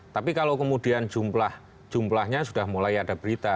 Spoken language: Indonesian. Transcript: tapi kalau kemudian jumlahnya sudah mulai ada berita